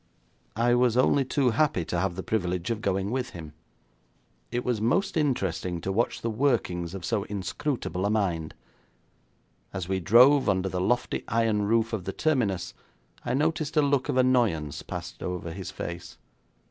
I was only too happy to have the privilege of going with him. It was most interesting to watch the workings of so inscrutable a mind. As we drove under the lofty iron roof of the terminus I noticed a look of annoyance pass over his face.